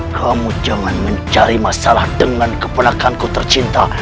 kamu jangan mencari masalah dengan keponakan ku tercinta